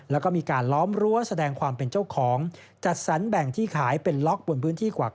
แล้วก็มีการล้อมรั้วแสดงความเป็นเจ้าของจัดสรรแบ่งที่ขายเป็นล็อกบนพื้นที่กว่า